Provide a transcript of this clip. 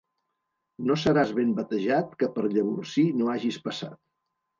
No seràs ben batejat que per Llavorsí no hagis passat.